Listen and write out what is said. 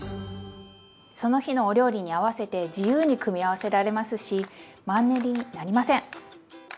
その日のお料理に合わせて自由に組み合わせられますしマンネリになりません！